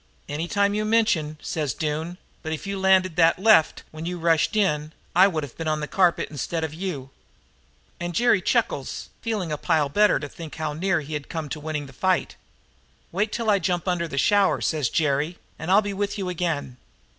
"'Any time you mention,' says Doone, 'but, if you'd landed that left when you rushed in, I would have been on the carpet, instead of you.' "And Jerry chuckles, feeling a pile better to think how near he'd come to winning the fight. "'Wait till I jump under the shower,' says Jerry, 'and I'll be with you again.